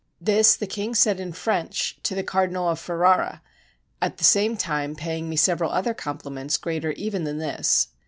This the king said in French to the Cardinal of Ferrara, at the same time paying me several other compliments greater even than this.